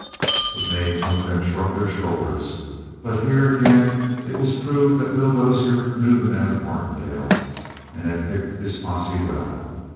It made some of them shrug their shoulders, but here again it was proved that Bill Dozier knew the men of Martindale, and had picked his posse well.